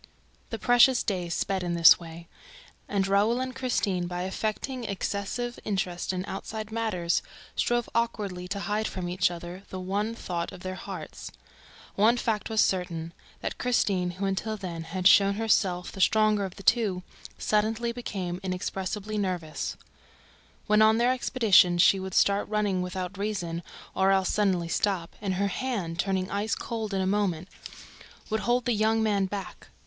The precious days sped in this way; and Raoul and Christine, by affecting excessive interest in outside matters, strove awkwardly to hide from each other the one thought of their hearts. One fact was certain, that Christine, who until then had shown herself the stronger of the two, became suddenly inexpressibly nervous. When on their expeditions, she would start running without reason or else suddenly stop; and her hand, turning ice cold in a moment, would hold the young man back.